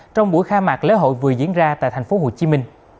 trong buổi khai mạc lễ hội vừa diễn ra tại tp hcm